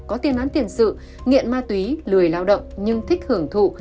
có tiền án tiền sự nghiện ma túy lười lao động nhưng thích hưởng thụ